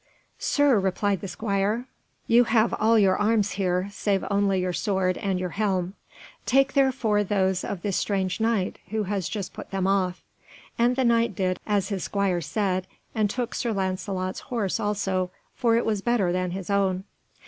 "Sir," replied the squire, "you have all your arms here, save only your sword and your helm. Take therefore those of this strange Knight, who has just put them off." And the Knight did as his squire said, and took Sir Lancelot's horse also, for it was better than his own.